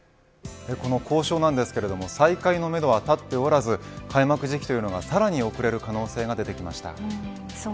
この交渉なんですけれど再開のめどは立っておらず開幕時期がさらに遅れる可能性が出てきました。